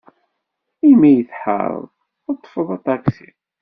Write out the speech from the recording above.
Imi ay tḥared, teḍḍfed aṭaksi.